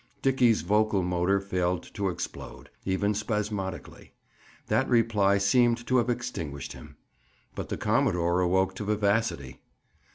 Dickie's vocal motor failed to explode, even spasmodically; that reply seemed to have extinguished him. But the commodore awoke to vivacity.